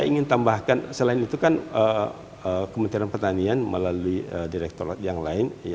saya ingin tambahkan selain itu kan kementerian pertanian melalui direktorat yang lain